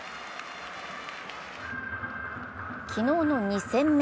昨日の２戦目。